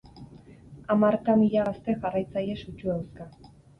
Hamarka mila gazte jarraitzaile sutsu dauzka.